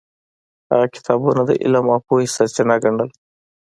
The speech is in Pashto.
هغه کتابونه د علم او پوهې سرچینه ګڼل.